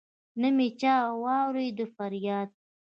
نه مي چا واوريد فرياد